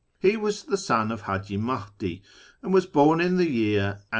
He was ;he son of Haji Mahdi, and was born in the year a.h.